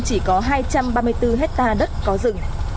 chỉ có hai trăm ba mươi bốn hectare đất có rừng